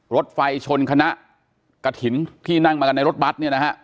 รถไฟชนคณะกฐินที่นั่งมาในรถบัสเนี่ยนะฮะ